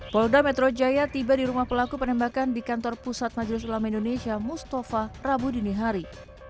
polda metro jaya tiba di rumah pelaku penembakan di kantor pusat majelis ulama indonesia mustafa rabu dinihari